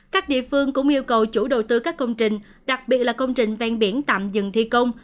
các địa phương cũng yêu cầu chủ đầu tư các công trình đặc biệt là công trình ven biển tạm dừng thi công